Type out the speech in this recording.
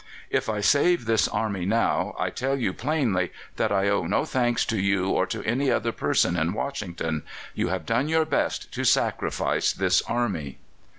If I save this army now I tell you plainly that I owe no thanks to you or to any other person in Washington. You have done your best to sacrifice this army."